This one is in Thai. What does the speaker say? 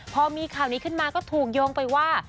พอมีข่าวนี้ขึ้นมาก็ถูกโยงไปว่า